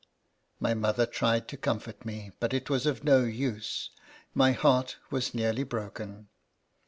" My mother tried to comfort me, but it was of no use ; my heart was nearly broken.